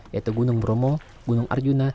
yaitu gunung bromo gunung arjuna